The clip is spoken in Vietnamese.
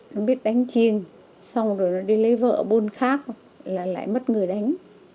nó biết đánh chiêng xong rồi nó đi lấy vợ buôn khác là lại mất người đánh